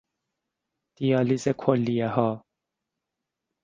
دیالیز کلیهها